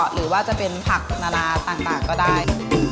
หรือว่าจะเป็นผักนานาต่างก็ได้